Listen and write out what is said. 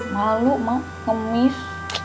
malu mak ngemis